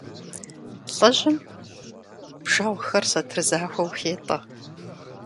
ЛӀыжьым бжэгъухэр сатыр захуэу хетӀэ.